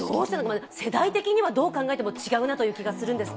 世代的にはどう考えても違うなという気がするんですが。